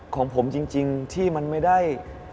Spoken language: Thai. ของผมจริงที่มันไม่ได้